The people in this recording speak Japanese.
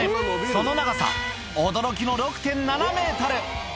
その長さ、驚きの６．７メートル。